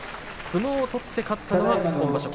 相撲を取って勝ったのは今場所